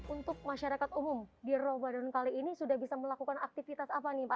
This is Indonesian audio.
untuk masyarakat umum di ramadan kali ini sudah bisa melakukan aktivitas apa nih pak